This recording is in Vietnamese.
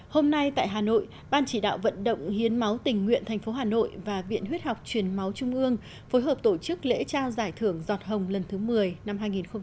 hôm nay tại hà nội ban chỉ đạo vận động hiến máu tình nguyện thành phố hà nội và viện huyết học truyền máu trung ương phối hợp tổ chức lễ trao giải thưởng giọt hồng lần thứ một mươi năm hai nghìn hai mươi